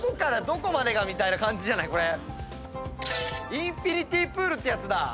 インフィニティプールってやつだ。